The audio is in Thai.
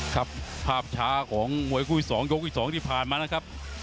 ครับภาพช้าของมวยคู่ที่๒ยกที่๒ที่ผ่านมานะครับ